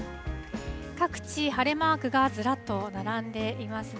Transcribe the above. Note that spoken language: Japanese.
各地晴れマークがずらっと並んでいますね。